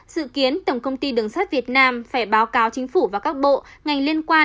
dự kiến tổng công ty đường sắt việt nam phải báo cáo chính phủ và các bộ ngành liên quan